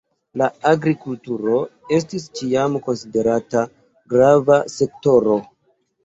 La agrikulturo estis ĉiam konsiderata grava sektoro.